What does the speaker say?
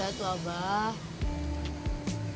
ya tuh abah